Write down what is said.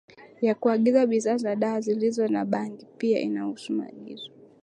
ya kuagiza bidhaa za dawa zilizo na bangi Pia inahusu maagizo